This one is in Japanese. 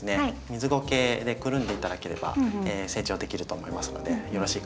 水ごけでくるんで頂ければ成長できると思いますのでよろしいかと思います。